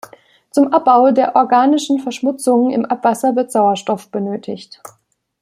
Zum Abbau der organischen Verschmutzungen im Abwasser wird Sauerstoff benötigt.